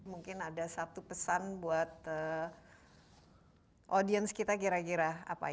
mungkin ada satu pesan buat audience kita kira kira apa ya